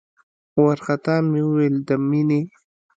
وارخطا مې وويل د مينې.